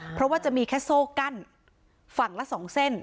เพราะว่าจะมีแค่โซ่กั้นฝั่งละสองเส้น